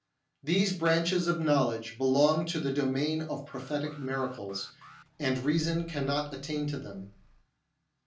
These branches of knowledge belong to the domain of prophetic miracles, and reason cannot attain to them.